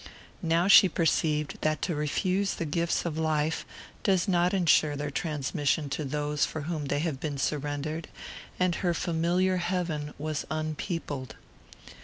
Now she perceived that to refuse the gifts of life does not ensure their transmission to those for whom they have been surrendered; and her familiar heaven was unpeopled.